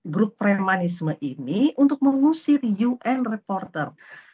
grup premanisme ini untuk mengusir un reporter